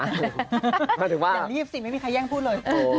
อย่างนี้สิไม่มีใครแย่งพูดเลย